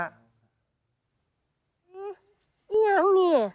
เนี่ยเท่านี้